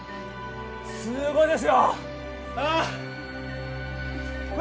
すごいですよあっ